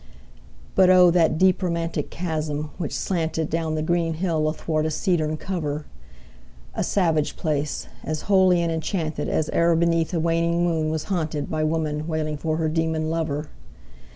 But O, that deep romantic chasm which slanted Down the green hill athwart a cedarn cover! A savage place! as holy and enchanted As e'er beneath a waning moon was haunted 15 By woman wailing for her demon lover!